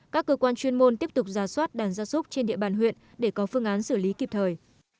các cơ quan chuyên môn tiếp tục giả soát đàn gia súc trên địa bàn huyện để có phương án xử lý kịp thời